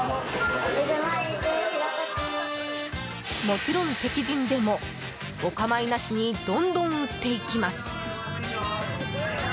もちろん敵陣でもお構いなしにどんどん売っていきます。